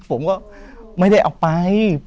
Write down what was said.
ผมก็ไม่ได้เอาไป